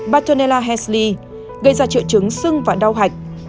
bartonella hessli gây ra trợ trứng sưng và đau hạch